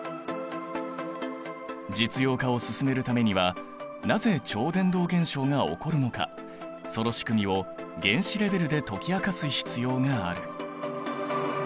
実用化を進めるためにはなぜ超伝導現象が起こるのかその仕組みを原子レベルで解き明かす必要がある。